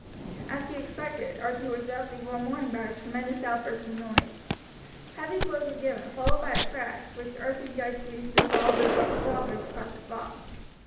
As he expected, Archie was roused before morning by a tremendous outburst of noise. Heavy blows were given, followed by a crash, which Archie judged to be the fall of the drawbridge across the fosse.